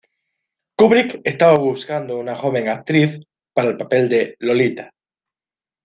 Kubrick estaba buscando una joven actriz para el papel de "Lolita".